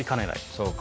そうか。